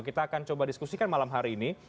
kita akan coba diskusikan malam hari ini